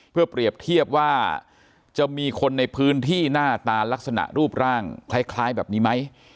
เพื่อเปรียบเทียบว่าจะมีคนในพื้นที่หน้าตาลักษณะรูปร่างคล้ายแบบนี้ไหม